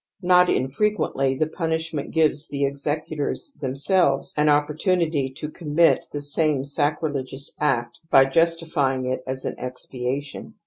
Not infrequently the punishment gives the executors themselves an opportunity to com mit the same sacrilegious act by justifying it as an expiation.